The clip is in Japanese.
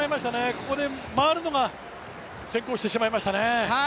ここで回るのが先行してしまいましたね。